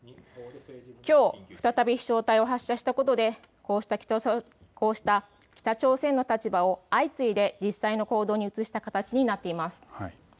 きょう再び飛しょう体を発射したことでこうした北朝鮮の立場を相次いで実際の行動に移した形になっています。